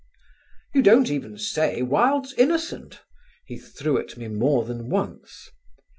"You don't even say Wilde's innocent," he threw at me more than once.